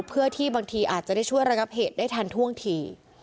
เพื่อที่บางทีอาจจะได้ช่วยระงับเหตุได้ทันท่วงที